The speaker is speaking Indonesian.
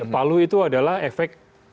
palu itu adalah efek